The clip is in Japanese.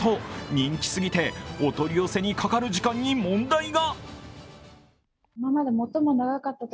人気すぎてお取り寄せにかかる時間に問題が。